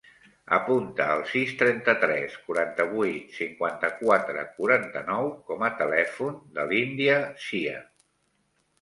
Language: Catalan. Apunta el sis, trenta-tres, quaranta-vuit, cinquanta-quatre, quaranta-nou com a telèfon de l'Índia Cia.